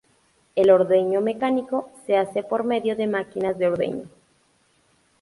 El ordeño mecánico se hace por medio de máquinas de ordeño.